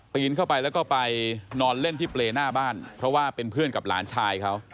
นเข้าไปแล้วก็ไปนอนเล่นที่เปรย์หน้าบ้านเพราะว่าเป็นเพื่อนกับหลานชายเขา